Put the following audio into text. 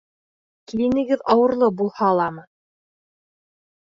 Киленегеҙ ауырлы булһа ламы?